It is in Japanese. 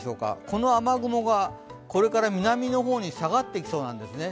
この雨雲がこれから南の方に下がってきそうなんですね。